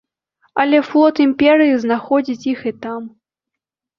Але флот імперыі знаходзіць іх і там.